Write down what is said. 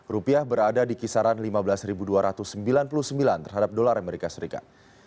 rupiah berada di kisaran lima belas dua ratus sembilan puluh sembilan terhadap dolar amerika serikat